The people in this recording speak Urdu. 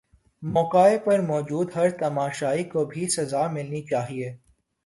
موقع پر موجود ہر تماشائی کو بھی سزا ملنی چاہیے